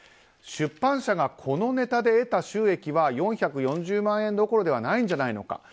出版社がこのネタで得た収益は４４０万円どころではないんじゃないのか？